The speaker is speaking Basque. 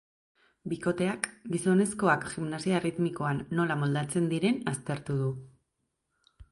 Bikoteak, gizonezkoak gimnasia erritmikoan nola moldatzen diren aztertuko du.